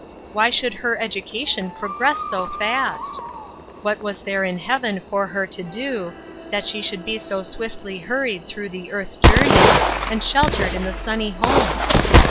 Why should her education pro gress so fast? What was there in Heaven for her to do, that she should be so swiftly hurried through the earth journey, and sheltered in the sunny home